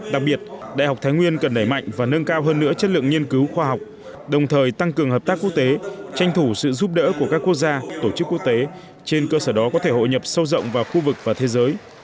đặc biệt đại học thái nguyên cần nảy mạnh và nâng cao hơn nữa chất lượng nghiên cứu khoa học đồng thời tăng cường hợp tác quốc tế tranh thủ sự giúp đỡ của các quốc gia tổ chức quốc tế trên cơ sở đó có thể hội nhập sâu rộng vào khu vực và thế giới